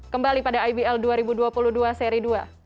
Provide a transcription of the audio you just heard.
kembali pada ibl dua ribu dua puluh dua seri dua